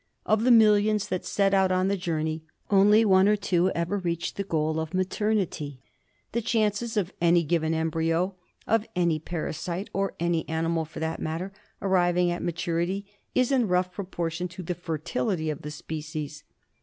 Of the millions that set out on the journey, only one or two ever reach the goal of maternity. The chances of any given embryo of any parasite, or other animal for that matter, arriving at maturity is in rough proportion to the fertility of the species.